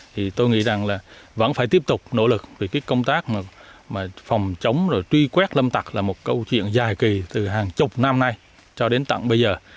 thì tôi nghĩ rằng là vẫn phải tiếp tục nỗ lực vì cái công tác mà phòng chống rồi truy quét lâm tặc là một câu chuyện dài kỳ từ hàng chục năm nay cho đến tận bây giờ